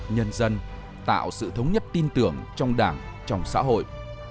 nhân dân tạo sự thống nhất tin tưởng trong đảng trong xã hội